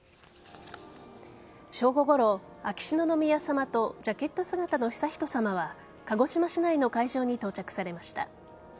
正午ごろ、秋篠宮さまとジャケット姿の悠仁さまは鹿児島市内の会場に到着されました。